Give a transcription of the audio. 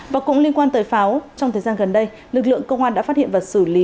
và cũng liên quan tới pháo trong thời gian gần đây lực lượng công an đã phát hiện và xử lý